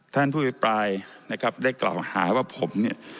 ท่านผู้อภิปรายนะครับได้กล่าวหาว่าผมเนี่ย